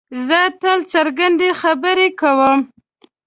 زه تل څرګندې خبرې کوم.